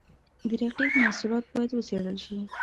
د رقیب محصولات باید وڅېړل شي.